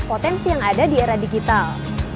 potensi yang ada di era digital